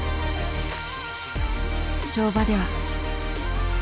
跳馬では。